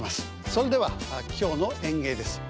それでは今日の演芸です。